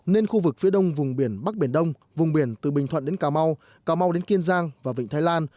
nên khu vực phía đông vùng biển bắc biển đông vùng biển từ bình thuận đến cà mau cà mau đến kiên giang và vịnh thái lan